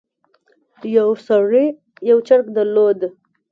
یو سړي یو چرګ درلود.